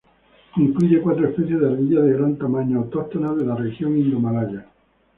Incluye cuatro especies de ardillas de gran tamaño autóctonas de la región indomalaya.